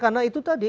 karena itu tadi